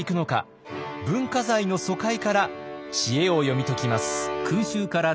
文化財の疎開から知恵を読み解きます。